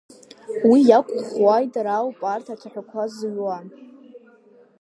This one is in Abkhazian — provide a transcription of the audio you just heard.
Уи иақәӷәӷәо аидара ауп арҭ ацәаҳәақәа зыҩуа…